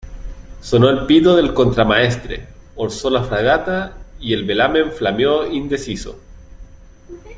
sonó el pito del contramaestre, orzó la fragata y el velamen flameó indeciso.